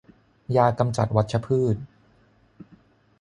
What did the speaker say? ยากำจัดวัชพืช